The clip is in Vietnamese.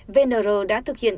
vnr đã thực hiện